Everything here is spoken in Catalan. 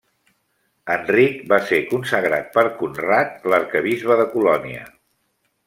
Enric va ser consagrat per Conrad, l'arquebisbe de Colònia.